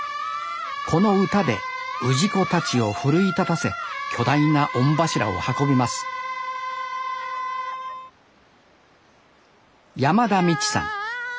この歌で氏子たちを奮い立たせ巨大な御柱を運びます山田未知さん。